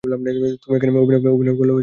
তুমি এখানে এই অভিনয় করলেও লাভ নেই।